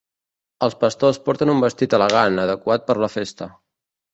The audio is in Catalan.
Els pastors porten un vestit elegant, adequat per la festa.